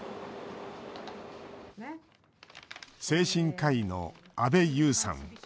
精神科医の阿部裕さん。